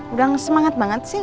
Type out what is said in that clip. udah semangat banget sih